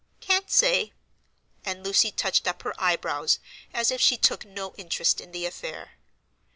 "Can't say," and Lucy touched up her eyebrows as if she took no interest in the affair.